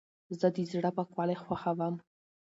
زه د زړه پاکوالی خوښوم.